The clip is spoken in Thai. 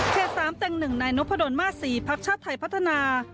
แคส๓แต่งหนึ่งนายนุภดลมาส๔พักชาติไทยพัฒนา